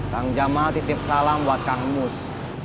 kang jamal titip salam buat kang mus